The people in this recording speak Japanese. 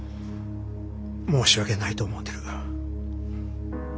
申し訳ないと思うてる。